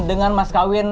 dengan mas kawin